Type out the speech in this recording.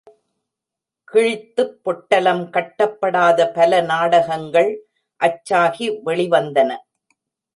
கிழித்துப் பொட்டலம் கட்டப்படாத பல நாடகங்கள் அச்சாகி வெளிவந்தன.